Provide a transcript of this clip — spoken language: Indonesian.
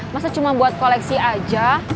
masa cuma buat koleksi aja